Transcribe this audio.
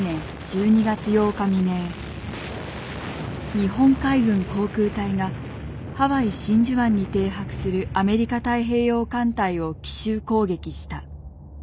日本海軍航空隊がハワイ真珠湾に停泊するアメリカ太平洋艦隊を奇襲攻撃した。